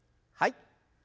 はい。